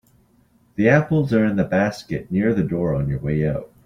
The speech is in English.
The apples are in the basket near the door on your way out.